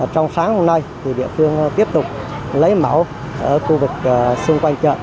trong sáng hôm nay địa phương tiếp tục lấy mẫu ở khu vực xung quanh chợ